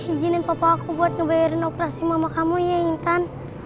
izinin papa aku buat ngebayarin operasi mama kamu ya intan